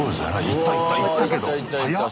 行った行った行ったけどはやっ！